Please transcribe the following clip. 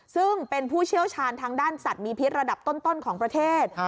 ซึ่งเป็นผู้เชี่ยวชาญทางด้านสัตว์มีพิษระดับต้นของประเทศ